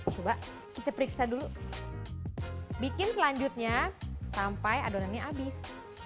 coba kita periksa dulu bikin selanjutnya sampai adonannya habis